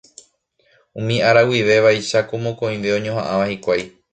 Umi ára guive vaicháku mokõive oñoha'ãva hikuái